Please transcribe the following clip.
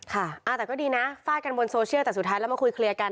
ค่ะอ่าแต่ก็ดีนะฟาดกันบนโซเชียลแต่สุดท้ายแล้วมาคุยเคลียร์กัน